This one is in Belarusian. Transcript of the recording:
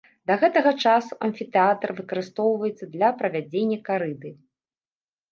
Да гэтага часу амфітэатр выкарыстоўваецца для правядзення карыды.